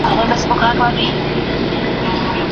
د کندهار په ټولنه کي د ګاونډیتوب حقونه څنګه ساتل کيږي؟